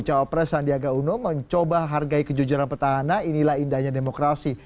cawapres sandiaga uno mencoba hargai kejujuran petahana inilah indahnya demokrasi